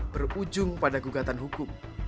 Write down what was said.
berujung pada gugatan hukum